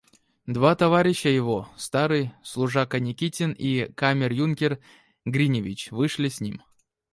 Два товарища его, старый служака Никитин и камер-юнкер Гриневич, вышли с ним.